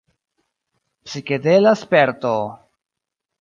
Psikedela sperto!